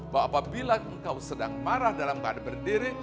bahwa apabila engkau sedang marah dalam keadaan berdiri